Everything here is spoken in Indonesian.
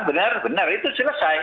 benar benar itu selesai